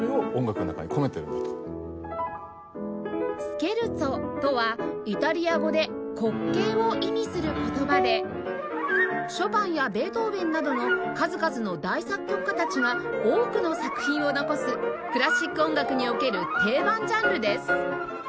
スケルツォとはイタリア語で「滑稽」を意味する言葉でショパンやベートーヴェンなどの数々の大作曲家たちが多くの作品を残すクラシック音楽における定番ジャンルです